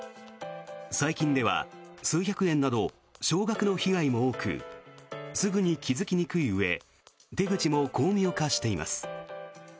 最近では数百円など少額の被害も多くすぐに気づきにくいうえ手口も巧妙化しています。